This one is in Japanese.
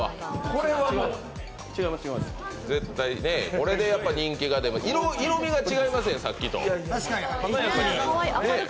これで人気が出る、色みが違いますよさっきと。